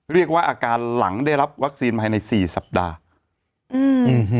เรียกว่าอาการหลังได้รับวัคซีนภายในสี่สัปดาห์อืม